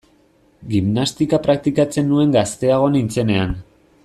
Gimnastika praktikatzen nuen gazteago nintzenean.